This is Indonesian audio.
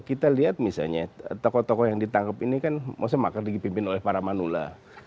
kita lihat misalnya tokoh tokoh yang ditangkap ini kan maksudnya makar dipimpin oleh para manula